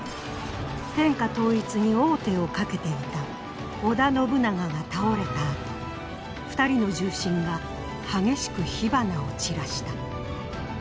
天下統一に王手をかけていた織田信長が倒れたあと２人の重臣が激しく火花を散らした。